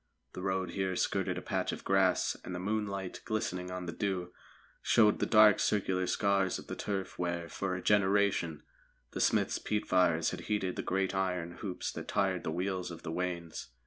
The road here skirted a patch of grass, and the moonlight, glistening on the dew, showed the dark circular scars of the turf where, for a generation, the smith's peat fires had heated the great iron hoops that tyred the wheels of the wains.